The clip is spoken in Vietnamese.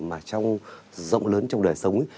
mà trong rộng lớn trong đời sống